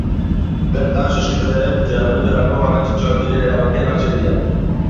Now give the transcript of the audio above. Bertan, sozietatearen funtzionamendurako garrantzitsuak diren erabakiak hartzen dira.